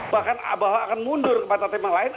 bahkan bahwa akan mundur kepada tim yang lain